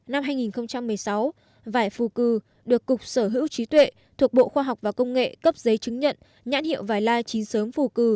năm hai nghìn một mươi sáu vải phù cử được cục sở hữu trí tuệ thuộc bộ khoa học và công nghệ cấp giấy chứng nhận nhãn hiệu vải la chín sớm phù cử